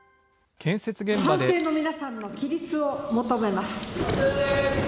賛成の皆さんの起立を求めます。